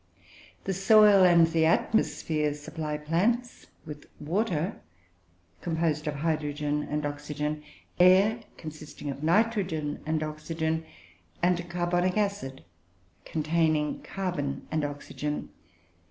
The soil and the atmosphere supply plants with water, composed of hydrogen and oxygen; air, consisting of nitrogen and oxygen; and carbonic acid, containing carbon and oxygen.